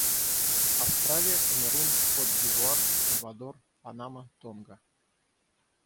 Австралия, Камерун, Кот-д'Ивуар, Сальвадор, Панама, Тонга.